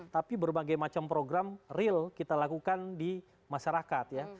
tapi berbagai macam program real kita lakukan di masyarakat ya